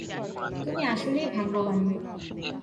তুই আসলেই ভাগ্যবান।